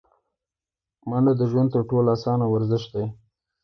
منډه د ژوند تر ټولو اسانه ورزش دی